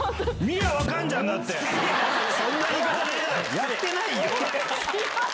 やってないよ！